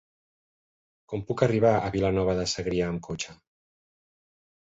Com puc arribar a Vilanova de Segrià amb cotxe?